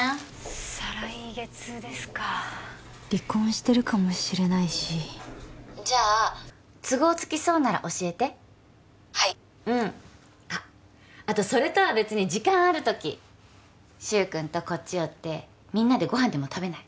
再来月ですか離婚してるかもしれないしじゃあ都合つきそうなら教えて☎はいうんあっあとそれとは別に時間ある時柊くんとこっち寄ってみんなでご飯でも食べない？